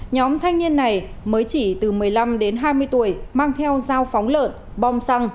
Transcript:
nhóm thanh niên này mới chỉ từ một mươi năm đến hai mươi tuổi mang theo dao phóng lợn bom xăng